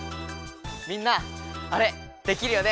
みんなあれできるよね？